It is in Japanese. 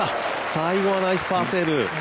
最後はナイスパーセーブ。